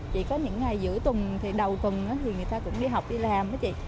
chỉ có những ngày giữa tuần thì đầu tuần thì người ta cũng đi học đi làm đó chị